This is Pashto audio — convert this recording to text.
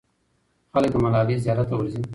خلک د ملالۍ زیارت ته ورځي.